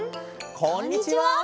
こんにちは。